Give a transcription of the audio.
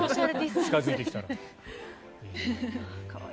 近付いてきたら。